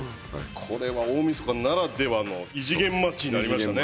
これは大晦日ならではの異次元マッチになりましたね。